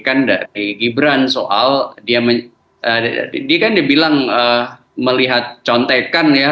kan dari gibran soal dia kan dibilang melihat contekan ya